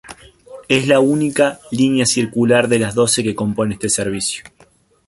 Es la única línea circular de las doce que componen este servicio.